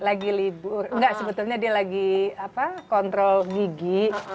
lagi libur enggak sebetulnya dia lagi kontrol gigi